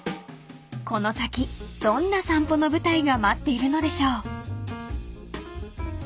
［この先どんな散歩の舞台が待っているのでしょう］